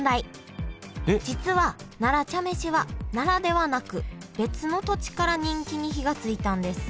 実は奈良茶飯は奈良ではなく別の土地から人気に火がついたんです。